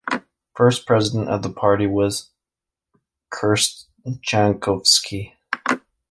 First president of the party was Krste Jankovski.